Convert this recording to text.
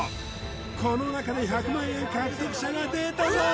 この中で１００万円獲得者が出たぞー！